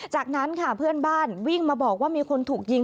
จากนั้นค่ะเพื่อนบ้านวิ่งมาบอกว่ามีคนถูกยิง